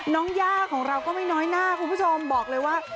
ย่าของเราก็ไม่น้อยหน้าคุณผู้ชมบอกเลยว่า